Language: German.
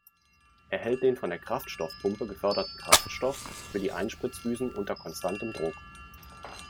Er hält den von der Kraftstoffpumpe geförderten Kraftstoff für die Einspritzdüsen unter konstantem Druck.